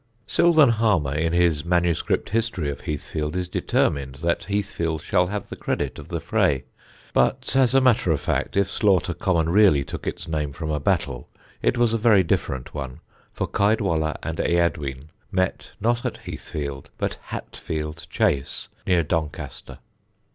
Sylvan Harmer, in his manuscript history of Heathfield, is determined that Heathfield shall have the credit of the fray, but, as a matter of fact, if Slaughter Common really took its name from a battle it was a very different one, for Caedwalla and Eadwine met, not at Heathfield, but Hatfield Chase, near Doncaster.